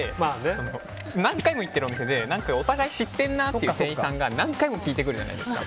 何回も行っているお店でお互い知っているなっていう店員さんが何回も聞いてくるじゃないですか。